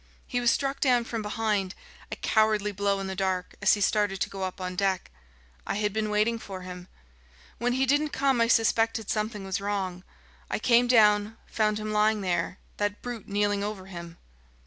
He was struck down from behind, a cowardly blow in the dark, as he started to go up on deck. I had been waiting for him. When he didn't come I suspected something was wrong. I came down, found him lying there, that brute kneeling over him."